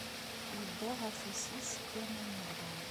Yebbeɣ afus-is deg waman yerɣan.